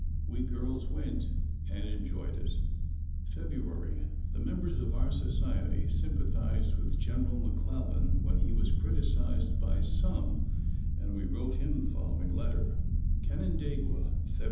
We girls went and enjoyed it. February. The members of our society sympathized with General McClellan when he was criticised by some and we wrote him the following letter: "Canandaigua, Feb.